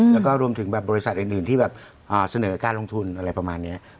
แล้วก็รวมถึงแบบบริษัทอื่นที่แบบเสนอการลงทุนอะไรประมาณนี้